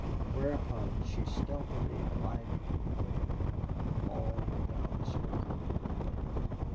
Whereupon she stealthily glided away all without a spoken word.